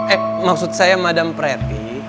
eh maksud saya madam prati